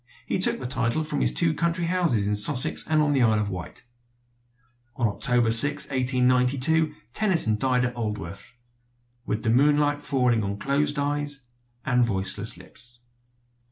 He took the title from his two country houses in Sussex and on the Isle of Wight. On October 6, 1892, Tennyson died at Aldworth "with the moonlight falling on closed eyes and voiceless lips."